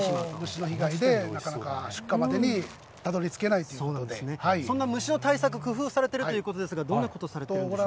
虫の被害でなかなか出荷までそんな虫の対策、工夫されているということですが、どんなことされてるんでしょう。